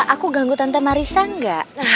aku ganggu tante marissa enggak